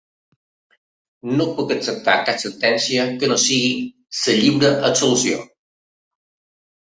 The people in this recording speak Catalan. No puc acceptar cap sentència que no sigui la lliure absolució.